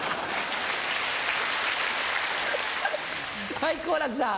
はい好楽さん。